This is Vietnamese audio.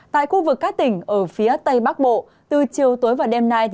tại khu vực các tỉnh ở phía tây bắc bộ từ chiều tối và đêm nay